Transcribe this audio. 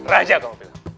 raja kau bilang